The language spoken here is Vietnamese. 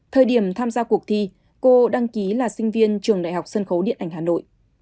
thời điểm tham gia cuộc thi cô đăng ký là sinh viên trường đại học sân khấu điện ảnh hà nội